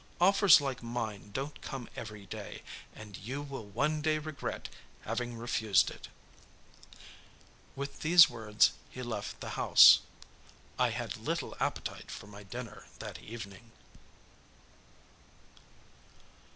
Offers like mine don't come every day, and you will one day regret having refused it." With these words he left the house. I had little appetite for my dinner that evening.